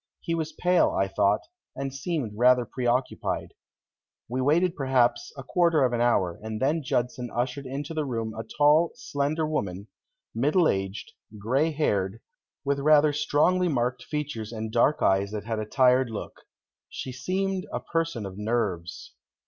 He was pale, I thought, and seemed rather pre occupied. We waited perhaps a quarter of an hour, and then Judson ushered into the room a tall, slender woman, middle aged, gray haired, with rather strongly marked features and dark eyes that had a tired look. She seemed a person of nerves.